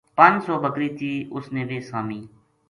پنج سو بکری تھی اُس نے ویہ سامی